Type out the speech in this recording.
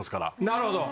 なるほど。